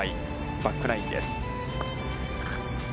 バックナインです。